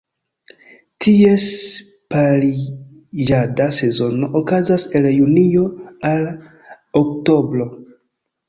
Ties pariĝada sezono okazas el Junio al Oktobro.